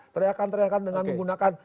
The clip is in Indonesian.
teriakan teriakan dengan menggunakan